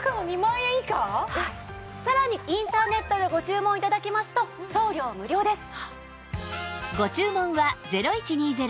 さらにインターネットでご注文頂きますと送料無料です。